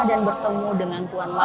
dan bertemu dengan tuan ma